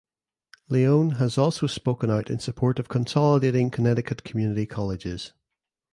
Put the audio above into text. Leone has also spoken out in support of consolidating Connecticut Community colleges.